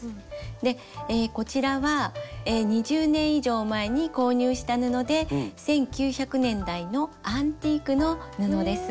でこちらは２０年以上前に購入した布で１９００年代のアンティークの布です。